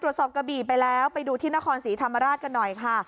กระบี่ไปแล้วไปดูที่นครศรีธรรมราชกันหน่อยค่ะ